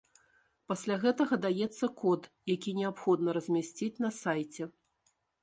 Пасля гэтага даецца код, які неабходна размясціць на сайце.